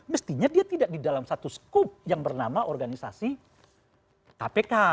mestinya dia tidak di dalam satu skup yang bernama organisasi kpk